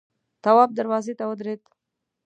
تواب دروازې ته ودرېد.